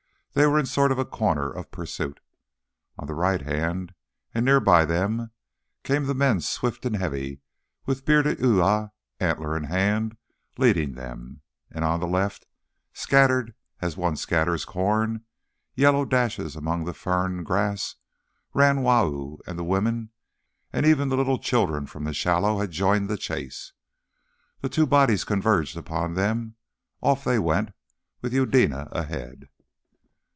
They were in a sort of corner of pursuit. On the right hand, and near by them, came the men swift and heavy, with bearded Uya, antler in hand, leading them; and on the left, scattered as one scatters corn, yellow dashes among the fern and grass, ran Wau and the women; and even the little children from the shallow had joined the chase. The two parties converged upon them. Off they went, with Eudena ahead.